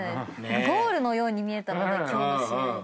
ゴールのように見えたので今日の試合が。